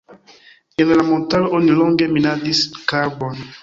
En la montaro oni longe minadis karbon.